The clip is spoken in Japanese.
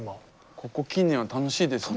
ここ近年は楽しいですね。